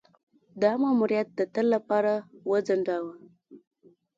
دا ماموریت د تل لپاره وځنډاوه.